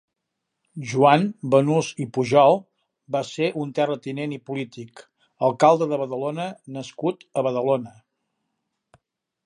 Joan Banús i Pujol va ser un terratinent i polític, alcalde de Badalona nascut a Badalona.